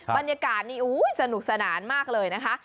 บรรยากาศนี่สนุกสนานมากเลยนะคะ